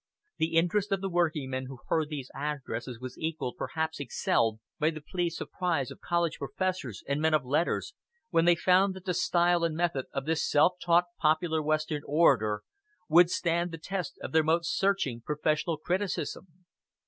The interest of the working men who heard these addresses was equaled, perhaps excelled, by the pleased surprise of college professors and men of letters when they found that the style and method of this self taught popular Western orator would stand the test of their most searching professional criticism.